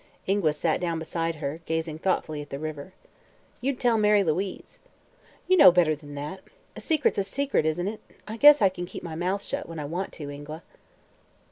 Ingua sat down beside her, gazing thoughtfully at the river. "You'd tell Mary Louise." "You know better than that. A secret's a secret, isn't it? I guess I can keep my mouth shut when I want to, Ingua."